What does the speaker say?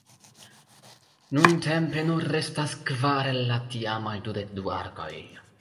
Nuntempe nur restas kvar el la tiamaj dudek du arkoj.